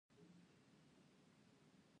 ماشومان ولې د باغ ګلونه دي؟